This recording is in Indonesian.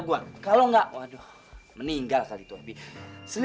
g kalau begini rancangan kita bisa gagal